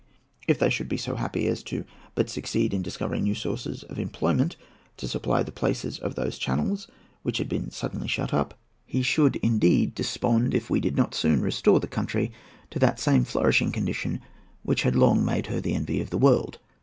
If they should be so happy as but to succeed in discovering new sources of employment to supply the place of those channels which had been suddenly shut up, he should indeed despond if we did not soon restore the country to that same flourishing condition which had long made her the envy of the world.